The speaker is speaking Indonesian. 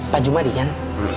pak jumadi kan